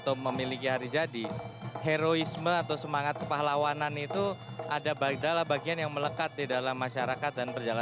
apakah sudah cukup